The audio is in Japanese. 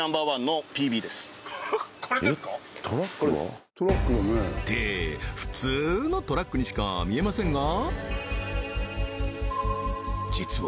これですて普通のトラックにしか見えませんが？